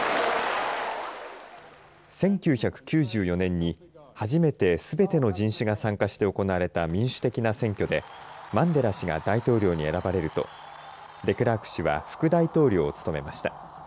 １９９４年に初めてすべての人種が参加して行われた民主的な選挙でマンデラ氏が大統領に選ばれるとデクラーク氏は副大統領を務めました。